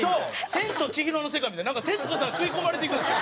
『千と千尋』の世界みたいになんか徹子さん吸い込まれていくんですよ。